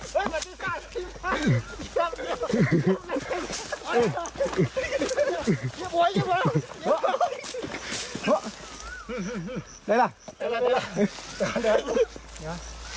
ได้ล่ะได้ล่ะได้ล่ะ